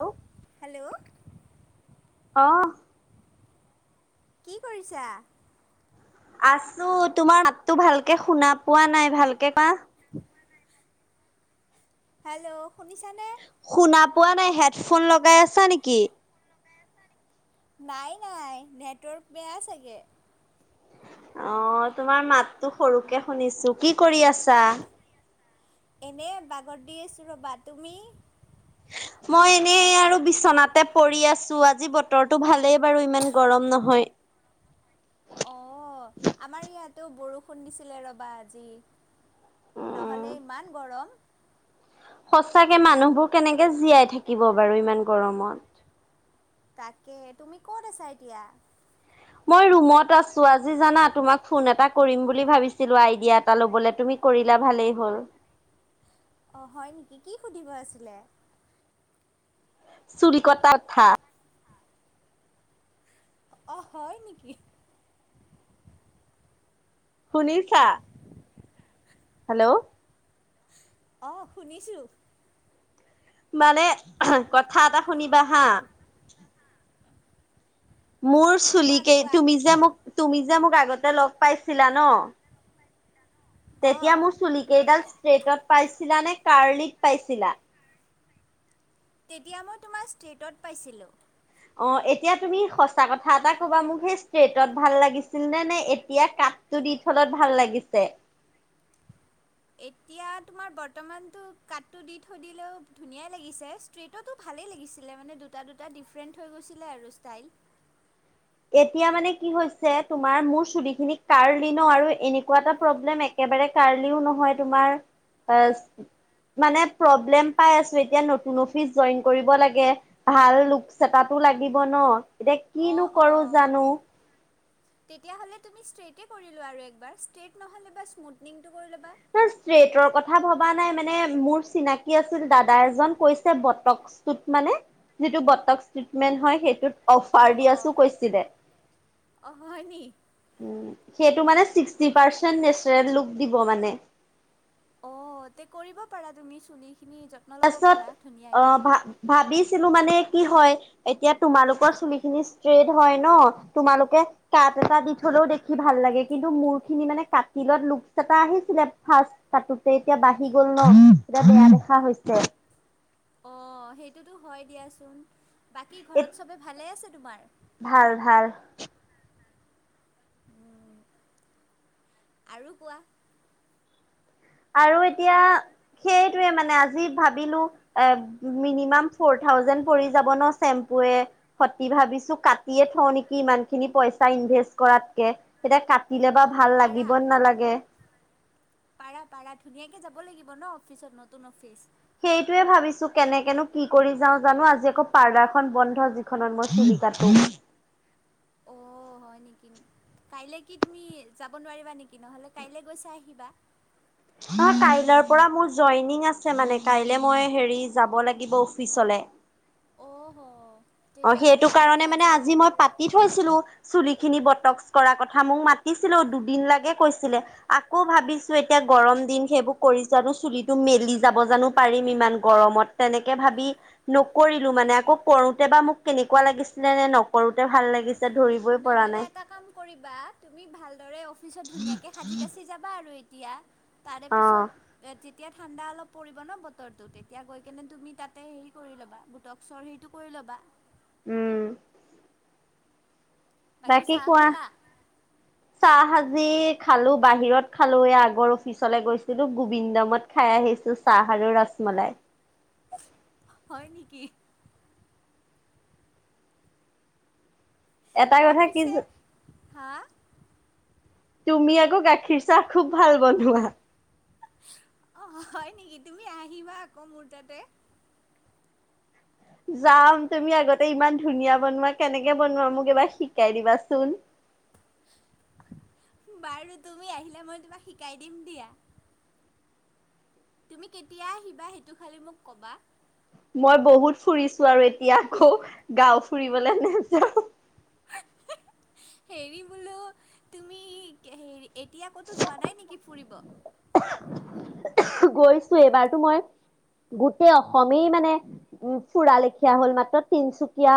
Hello hello অহ কি কৰিছা? আছো, তোমাৰ মাতটো ভালকৈ শুনা পোৱা নাই। ভালকৈ কোৱা। হেল্ল, শুনিছা নে? শুনা পোৱা নাই। হেডফোন লগাই আছা নেকি নাই নাই নেটৱৰ্ক বেয়া চাগে। অহ, তোমাৰ মাতটো সৰুকে শুনিছো। কি কৰি আছা। এনে বাগৰ দি আছোঁ ৰবা। তুমি? মই এনেই আৰু বিচনাতে পৰি আছোঁ। আজি বতৰটো ভালেই বাৰু ইমান গৰম নহয়। অহ, আমাৰ ইয়াতো বৰষুণ দিছিলে ৰবা আজি। নহলে ইমান গৰম। সঁচাকে মানুহবোৰ কেনেকে জীয়াই থাকিব বাৰু ইমান গৰমত। তাকে তুমি কত আছা এতিয়া? মই ৰুমত আছো। আজি জানা তোমাক ফোন এটা কৰিম বুলি ভাবিছিলোঁ। আইডিয়া এটা লবলৈ তুমি কৰিলা ভালেই হল। অ হয় নেকি, কি সুধিব আছিলে? চুৰি কটাৰ কথা। অহ হয় নেকি। শুনিছা। হেল্ল অ শুনিছোঁ। মানে কথা এটা শুনিবা হাঁ। মোৰ কোৱা চুলিকেই কোৱা তুমি যে মোক তুমি যে মোক আগতে লগ পাইছিলা নহ তেতিয়া অঁ মোৰ চুলি কেইডাল ষ্ট্ৰেটত পাইছিলা নে? কাৰ্লিত পাইছিলা? তেতিয়া মই তোমাৰ ষ্টেটত পাইছিলোঁ। অ এতিয়া তুমি সঁচা কথা এটা কবা মোক, সেই ষ্ট্ৰেইটত ভাল লাগিছিল নে? নে এতিয়া কা তোৰ দি থলত ভাল লাগিছে। এতিয়া তোমাৰ বৰ্তমানতো কাতটো দি থৈ দিলেও ধুনীয়াই লাগিছে। ষ্ট্ৰেটতো ভালেই লাগিছিলে মানে দুটা দুটা ডিফাৰেণ্ট হৈ গৈছিলে আৰু ষ্টাইল। এতিয়া মানে কি হৈছে, তোমাৰ মোৰ চুলি খিনি কাৰ্লি নহ আৰু এনেকুৱা এটা প্ৰব্লেম এক একেবাৰে কাৰ্লিও নহয় তোমাৰ আহ মানে প্ৰব্লেম পাই আছোঁ। এতিয়া নতুন অফিচ জইন কৰিব লাগে। ভাল লুকচ এটা লাগিব নহ। এতিয়া অঁ কিনো কৰো অঁ জানো। তেতিয়াহলে তুমি ষ্ট্ৰেইটে কৰি লোৱা আৰু একবাৰ ষ্ট্ৰেইট নহলে বা স্মুথিংটো কৰি লবা। ষ্ট্ৰেইটৰ কথা ভবা নাই। মানে মোৰ চিনাকি আছিল দাদা এজন কৈছে বতক চোত মানে যিতো বৰ্তক ইষ্টেট মেন হয়। সেইটো অহ অহ, অহ হয় নি। উম, সেইটো মানে ছিক্সটি পাৰ্চেন্ট নেচাৰেল লুক দিব মানে। অহ তে কৰিব পাৰা তুমি চুলিখিনি যত্ন লব তাৰপিছত পাৰা অ ধুনীয়াকে ভা ভাবিছিলো মানে কি হয়। এতিয়া তোমালোকৰ চুলি খিনি ষ্ট্ৰেইট হয় নহ, তোমালোকে কাট এটা দি থলেও দেখি ভাল লাগে। কিন্তু মোৰ খিনি মানে কাটিলত লুকচ এটা আহিছিলে ফাৰ্ষ্ট কাটোতে এতিয়া বাঢ়ি গল নহ, এতিয়া বেয়া দেখা হৈছে। অ সেইটোতো হয় দিয়াচোন। বাকী এ ঘৰত চবে ভালে আছে তোমাৰ ভাল ভাল। আৰু কোৱা। আৰু এতিয়া সেইটোৱে মানে আজি ভাবিলো। এহ মিনিমাম ফৰ থাউজেণ্ড পৰি যাব নহ চেম্পু এহ। সতি ভাবিছো কাটিয়ে থওঁ নেকি ইমান খিনি পইচা ইনভেষ্ট কৰাতকে। এতিয়া কাটি অহ পাৰা। পাৰা পাৰা ধুনীয়াকে যাব লাগিব ন অফিচত নতুন অফিচ সেইটোয়ে ভাবিছো কেনেকেনো কি কৰি যাও জানো আজি আকৌ পাৰ্লাৰ খন বন্ধ সেইখনত মই চুলি কাটো। অ হয়, নেকি! কাইলৈ কি তুমি যাব নোৱাৰিবা নেকি নহ'লে কাইলৈ গৈ চাই আহিবা। অ কাইলৰ পৰা মোৰ জইনিং আছে। মানে কাইলে মই হেৰি যাব লাগিব অফিচলৈ। অ'হ। অ সেইটো কাৰণে মানে আজি মই পাতি থৈছিলো। চুলি খিনি বটক্ কৰাৰ কথা মোক মাতিছিলে দুদিন লৈকে কৈছিলে। আকৌ ভাবিছো এতিয়া গৰম দিন সেইবোৰ কৰিছো আৰু চুলিটো মেলি যাব জানো পাৰিম ইমান গৰমত। তেনেকে ভাবি নকৰিলো মানে আকৌ কৰো। তেতিয়াবা মোক কেনেকুৱা লাগিছিলে নে নকৰোতে ভাল লাগিছিল। নহলে এটা কাম কৰিবা তুমি ভালদৰে অফিচত ধুনীয়াকে সাজি। কাচি যাবা আৰু এতিয়া তাৰে অ পিছত। যেতিয়া ঠাণ্ডা অলপ পৰিব ন বতৰটো তেতিয়া গৈ কেনে তুমি তাতে হেৰি কৰি ল'বা বটক। চৰ্হীটো কৰি ল'বা। উ'ম। বাকী চাহ কোৱা। খালা [inaudible] চাহ আজি খালো বাহিৰত খালো এয়া আগৰ অফিচলৈ গৈছিলো গোবিন্দমত। খাই আহিছো চাহ আৰু ৰচমলাই। হয় নেকি। এটা অ কথা কি পিছে হা। তুমি আকৌ গাখীৰ চাহ খুব ভাল বনোৱা। অ হয়, নেকি তুমি আহিবা আকৌ মোৰ তাতে। যাম তুমি আগতে ইমান ধুনীয়া বনোৱা কেনেকে বনোৱা মোক এবাৰ শিকাই দিবাচোন। বাৰু তুমি আহিলে মই তোমাক শিকাই দিম দিয়া। তুমি কেতিয়া আহিবা সেইটো খালি মোক ক'বা। মই বহুত ফুৰিছো আৰু এতিয়া আকৌ গাঁও ফুৰিবলৈ নাযাওঁ। হেৰি বোলো তুমি হেৰি এতিয়া ক'তো যোৱা নাই নেকি ফুৰিব। [inaudible] গৈছো এইবাৰতো মই গোটেই অসমেই মানে। উম ফুৰা লেখিয়া হল মাত্ৰ তিনিচুকীয়া।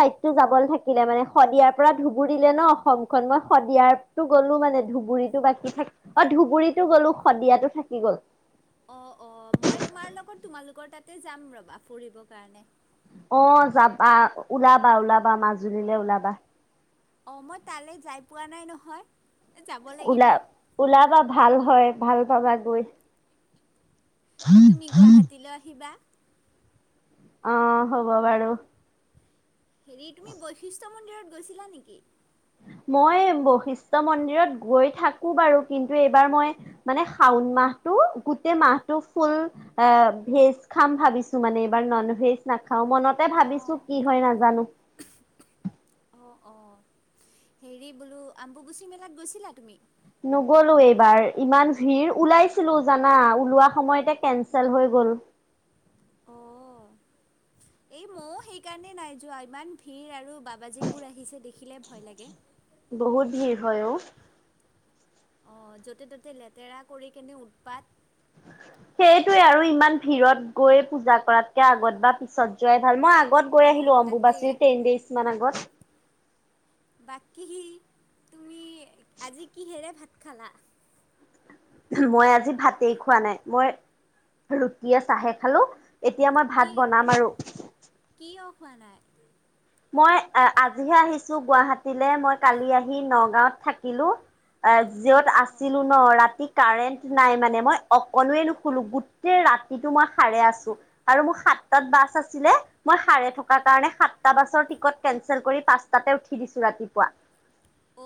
চাইডটো যাবলৈ থাকিলে মানে শদিয়াৰ পৰা ধুবুৰী লে ন অসমখন মই শদিয়াৰ। তো গ'লো মানে ধুবুৰীতো বাকী থাকি অ ধুবুৰীতো গ'লো শদিয়াতো থাকি গ'ল। অহঁ, অঁহ মই তোমাৰ লগত তোমালোকৰ তাতে যাম ৰ'বা ফুৰিবৰ কাৰণে। অ যাবা ওলাবা ওলাবা মাজুলীলে ওলাবা। অহঁ মই তালৈ যাই পোৱা নাই নহয় যাব লাগিব। ওলা ওলাবা ভাল হয় ভাল পাবা গৈ। তুমি গুৱাহাটীলৈ আহিবা। অ হ'ব বাৰু। হেৰি তুমি বৈশিষ্ট্য মন্দিৰত গৈছিলা নেকি! মই বৈশিষ্ট্য মন্দিৰত গৈ থাকো বাৰু কিন্তু এইবাৰ মই। মানে শাওন মাহটো গোটেই মাহটো ফুল। এ ভেজ খাম ভাবিছো মানে এইবাৰ নন ভেজ নাখাঁও মনত। তাকে ভাবিছো কি হয় নাজানো। অ অ, হেৰি বোলো আম্বুবুচি মেলাত গৈছিলা তুমি? নগলো এইবাৰ ইমান ভিৰ ওলাইছিলো জানা ওলোৱা সময়তে কেনঞ্চেল হৈ গ'ল। অ', এই ময়ো সেইকাৰণে নাই যোৱা ইমান ভিৰ আৰু বাবাজীবোৰ আহিছে দেখিলে ভয় লাগে। বহুত ভিৰ হয় অও। অহঁ য'তে ত'তে লেতেৰা কৰি কেনে উৎপাত। সেইটোৱে আৰু ইমান ভিৰত গৈ পূজা কৰাতকে আগত বা পিছত যোৱাই ভাল। মই- কত গৈ আহিলো অ', তাকে। অম্বুবাচীৰ টেন ডেইজ মান আগত- বাকী তুমি আজি কিহেৰে ভাত খালা? মই আজি ভাতেই খোৱা। নাই মই ৰুটিয়ে চাহে খালো। এতিয়া মই ভাত কি বনাম আৰু। কিয় খোৱা নাই? মই আজিহে আহিছো গুৱাহাটীলৈ মই কালি আহি নগাঁত থাকিলো। অ যিঅত আছ- অ', ছিলো ন, ৰাতি কাৰেণ্ট নাই মানে মই অকনোৱে নুশুলো গোটেই ৰাতিটো মই সাৰে আছো। আৰু মোৰ সাতটাত বাছ আছিলে মই সাৰে থকা কাৰণে সাত- টা বাছৰ টিকট কেনচেল কৰি, পাঁচটাতে উঠি দিছো ৰাতিপুৱা। অ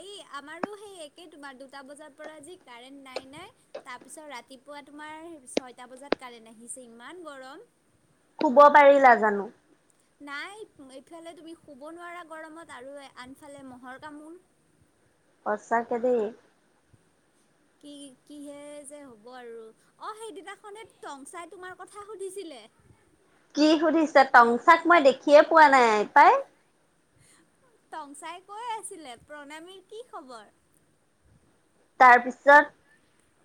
এই আমাৰো সেই একে তোমাৰ দুটা বজাৰ পৰা যি কাৰেণ্ট নাই নাই। তাৰপিছত ৰাতিপুৱা তোমাৰ ছয়টা বজাত কাৰেণ্ট আহিছে ইমান গৰম। শুব পাৰিলা জানো। নাই এইফালে তুমি শুব নোৱাৰা গৰমত আৰু আনফালে মহ'ৰ কামোৰ। সঁচাকে দেই। কি কিহে যে হ'ব আৰু। অ সেইদিনাখনে টংচাই তোমাৰ কথা সুধিছিলে। কি সুধিছে টংচাক মই দেখিয়ে পোৱা নাই পাই। টংচাই কৈ আছিলে প্ৰণামীৰ কি খবৰ? তাৰপিছত-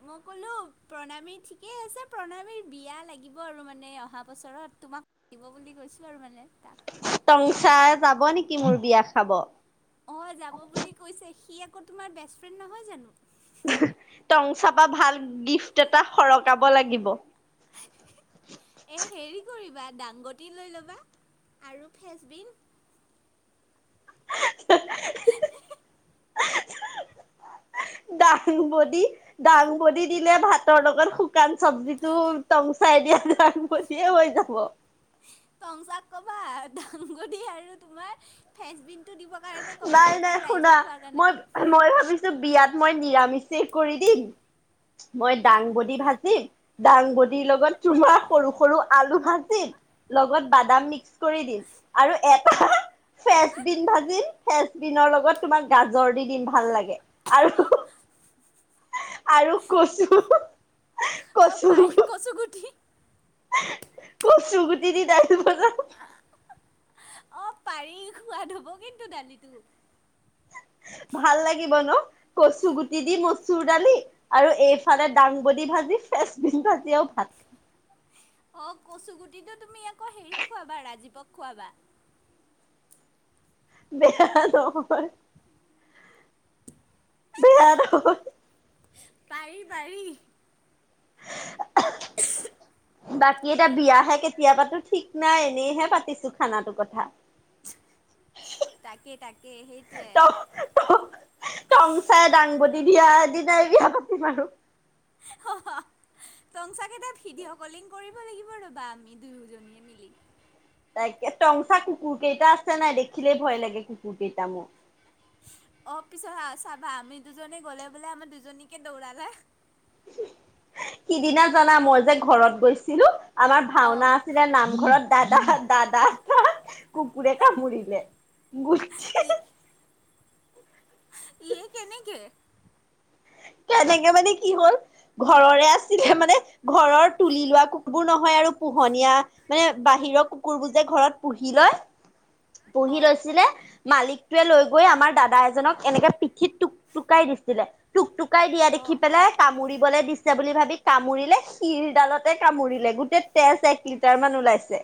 মই ক'লো প্ৰণামী ঠিকেই আছে। প্ৰণামীৰ বিয়া লাগিব আৰু মানে অহা বছৰত তোমাক- দিব বুলি কৈছোঁ আৰু মানে তাক। টংচাই যাব নেকি মোৰ বিয়া খাব। অঁ যাব বুলি কৈছে, সি আকৌ তোমাৰ বেষ্ট ফ্ৰেণ্ড নহয় জানো। টংচা পা ভাল গিফ্ট এটা সৰকাব লাগিব। এই হেৰি কৰিবা, দাংগটি লৈ ল'বা আৰু ফ্ৰেচবিন। [unintelligible] [unintelligible] দাংবদি দাংবদি দিলে ভাতৰ লগত শুকান চব্জিটো টংচাই দিয়া দাংব- দিয়ে হৈ যাব। টংচাক কবা দাংবদী আৰু তোমাৰ ফেচবিন- টো দিব কাৰণে ক'ব আ নাই নাই গোটেই শুনা ৰাইজক খোৱাৰ কাৰণে। মই মই ভাবিছো বিয়াত মই নিৰামিষেই কৰি দিম। মই দাংবদী ভাজিম। দাংবদীৰ লগত তোমাৰ সৰু সৰু আলু ভাঁজিম। লগত বাদাম মিক্স কৰি দিম, আৰু এটা ফেচবিন ভা- জি ফেচবিনৰ লগত তোমাক গাজৰ দি দিম ভাল লাগে, আৰু- আৰু কচু। অ কচু পাই কচু গুঠি। কচু গুটি দি দাইল বনাম। অ পাৰি সোৱাদ হ'ব কিন্তু দালিটো। ভাল লাগিব ন কচু গুটি দি মচুৰ দালি। আৰু এইফালে দাংবদী ভাজি ফ্ৰেচবিন ভাজি আও ভাত। অ কচুগুটিটো তুমি আকৌ হেৰিতক খুৱাবা ৰাজীৱক খোৱাবা। বেয়া নহয়। বেয়া নহয়। পাৰি পাৰি। [unintelligible] বাকী এতিয়া বিয়াহে কেতিয়া পাতো ঠিক নাই এনেইহে পাতিছো খানাটো কথা। তাকে তাকে সেইটোৱে টংচাই দাংবদী দিয়া দিনাই বিয়া পাতিম আৰু হ হা টংচা কেইটাত ভিডিঅ' কলিং কৰিব লাগিব ৰ'বা আমি দুয়োজনীয়ে মিলি। তাইকে টংচা কুকুৰ কেইটা আছে নাই দেখিলে ভয় লাগে কুকুৰ কেইটা মো। অ পিছত চাবা আমি দুজনী গ'লে বোলে আমাৰ দুজনীকে দৌৰালে সিদিনা জানা মই যে ঘৰত গৈছিলো আমাৰ অ' ভাওনা আ- ছিলে নামঘৰত দাদা দাদা এটাক কুকুৰে কামুৰিলে। গুটি ত ই সেই কেনেকে কেনেকে মানে কি হ'ল ঘৰৰে আছিলে মানে ঘৰৰ তুলি লোৱা কুকুৰবোৰ নহয় আৰু পোহনীয়া মানে বাহিৰৰ কুকুৰবোৰ যে ঘৰত পুহি লয়, পুহি অ' লৈছিলে মালিকটোৱে লৈ গৈ আমাৰ দাদা এজনক এনেকে পিঠিত টু টুকাই দিছিলে টুক টুকাই দিয়া দেখি অ' পেলাই কামুৰিবলৈ দিছ- ছে বুলি ভাবি কামুৰিলে শিৰডালতে কামুৰিলে গোটেই তেজ এক লিটাৰ মান ওলাইছে।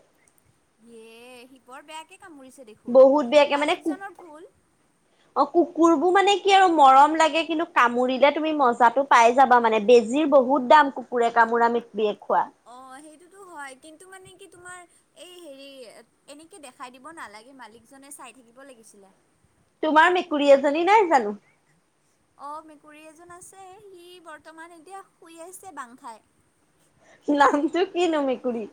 সিয়ে সি বৰ বেয়াকে কামুৰিছে দেখোন, বহুত বেয়াকে মানে কু মালিকজনৰ ভুল। অ কুকুৰ বোৰ মানে কি আৰু মৰম লাগে কিন্তু কামুৰিলে তুমি মজাটো পাই যাবা মানে বেজিৰ বহুত দাম কুকুৰে কামোৰা মিট বিয়ে খোৱা অ সেইটোতো হয় কিন্তু মানে কি তোমাৰ এই হেৰি এনেকে দেখাই দিব নালাগে মালিকজনে চাই থাকিব লাগিছিলে। তোমাৰ মেকুৰী এজনী নাই জানোঁ। অ মেকুৰী এজন আছে সি বৰ্তমান এতিয়া শুই আহিছে বাং খাই নামটো কি নো মেকুুৰী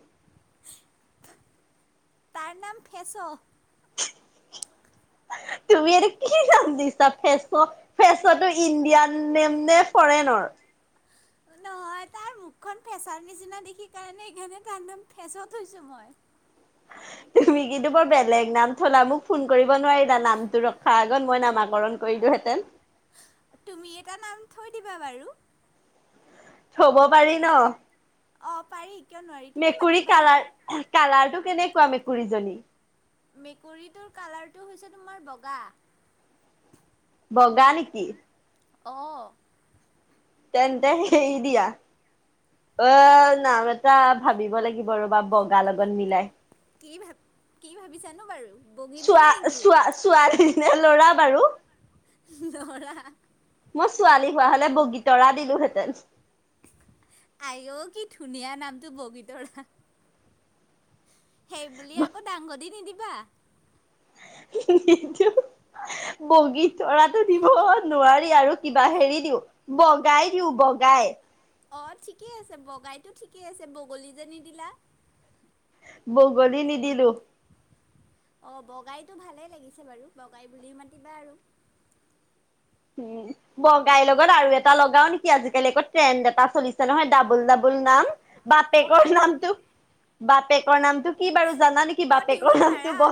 তাৰ নাম ফেচ তুমি এইটো কি নাম দিছা ফেচ। ফেচতো ইণ্ডিয়ান নেম নে ফৰেনৰ নহয় তাৰ মুখখন ফেচৰ নিচিনা দেখি কাৰণে সেইকাৰণে তাৰ ফেচ থৈছোঁ মই। তুমি কিন্তু বৰ বেলেগ নাম থলা মোক ফোন কৰিব নোৱাৰিলা নামটো ৰখাৰ আগত মই নামাকৰণ কৰিলোহেতেন তুমি এটা নাম থৈ দিবা বাৰু। থব পাৰি ন। অ পাৰি কিয় নোৱাৰি তুমি মেকুৰী মাতিবা সেইটো। কালাৰ টো কেনেকুৱা মেকুৰীজনী মেকুৰীটোৰ কালাৰটো হৈছে তোমাৰ বগা। বগা নেকি? অ। তেন্তে এৰি দিয়া অ নাম এটা ভাবিব লাগিব ৰ'বা বগা লগত মিলাই। কি ভাব কি ভাবিছানো বাৰু? বগী বুলি চোৱা নেকি চোৱা ছোৱালীনে লৰা বাৰু? ল'ৰা। মই ছোৱালী হোৱা হলে বগীতৰা দিলোহেঁতেন। আইঔ কি ধুনীয়া নামটো বগীতৰা। সেইবুলি আকৌ ডাঙ দি নিদিবা। [unintelligible] বগী তৰাতো দিব নোৱাৰি আৰু কিবা হেৰি দিওঁ। বগাই দিওঁ বগাই। অঁ ঠিকেই আছে বগাইটো ঠিকেই আছে বগলী যে নিদিলা। বগলী নিদিলো। অঁ বগাইটো ভালেই লাগিছে বাৰু বগাই বুলিও মাতিবা আৰু উম বগাইৰ লগত আৰু এটা লগাও নেকি আজিকালি একৌ ট্ৰেণ্ড এটা চলিছে নহয় ডাবুল ডাবুল নাম। অ বাপেকৰ পাৰি নামটো বাপেকৰ নামটো কি বাৰু জানা নেকি অ দিব বাপেকৰ নামটো পাৰা বহা